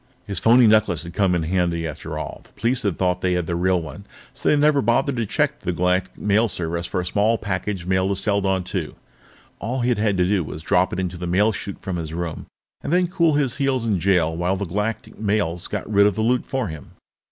His phony necklace had come in handy after all; the police had thought they had the real one, so they had never bothered to check the Galactic Mail Service for a small package mailed to Seladon II. All he'd had to do was drop it into the mail chute from his room and then cool his heels in jail while the Galactic Mails got rid of the loot for him.